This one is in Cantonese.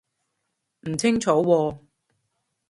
唔清楚喎